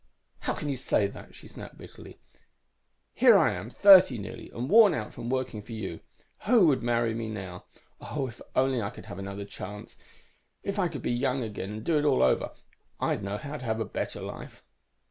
_ _"How can you say that?" she snapped bitterly. "Here I am thirty nearly, and worn out from working for you. Who would marry me now? Oh, if only I could have another chance! If I could be young again, and do it all over, I'd know how to have a better life!"